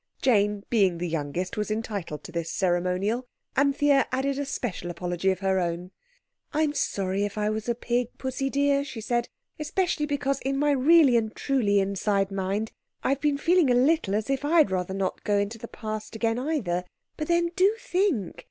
Jane being the youngest was entitled to this ceremonial. Anthea added a special apology of her own. "I'm sorry if I was a pig, Pussy dear," she said—"especially because in my really and truly inside mind I've been feeling a little as if I'd rather not go into the Past again either. But then, do think.